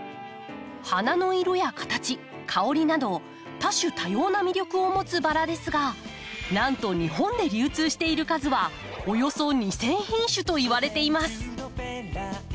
花の色や形香りなど多種多様な魅力を持つバラですがなんと日本で流通している数はおよそ２，０００品種といわれています。